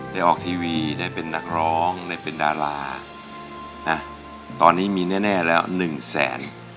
ออกทีวีได้เป็นนักร้องได้เป็นดารานะตอนนี้มีแน่แล้วหนึ่งแสน